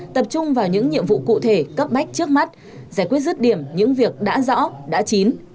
tập trung vào những nhiệm vụ cụ thể cấp bách trước mắt giải quyết rứt điểm những việc đã rõ đã chín